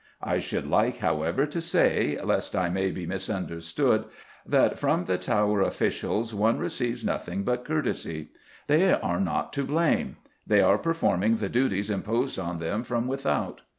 I should like, however, to say, lest I may be misunderstood, that from the Tower officials one receives nothing but courtesy. They are not to blame. They are performing the duties imposed on them from without.